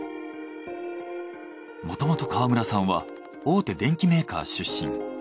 もともと川村さんは大手電機メーカー出身。